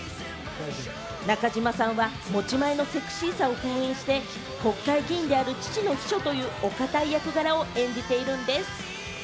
中島さんは持ち前のセクシーさを封印して国会議員である父の秘書というお堅い役柄を演じているんです。